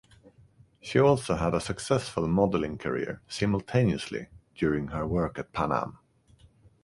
She also had a successful modelling career simultaneously during her work at Pan Am.